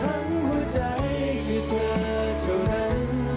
หัวใจคือเธอเท่านั้น